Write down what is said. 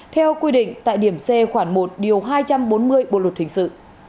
theo quy định tại điểm c khoảng một điều hai trăm bốn mươi bộ luật hình sự